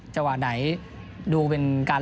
ส่วนที่สุดท้ายส่วนที่สุดท้าย